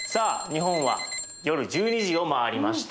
日本は夜１２時を回りました。